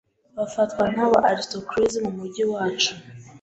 Bafatwa nkaba aristocracy mumujyi wacu.